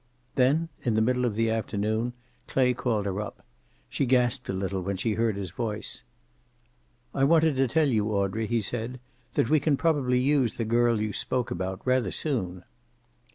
Then, in the middle of the afternoon, Clay called her up. She gasped a little when she heard his voice. "I wanted to tell you, Audrey," he said, "that we can probably use the girl you spoke about, rather soon."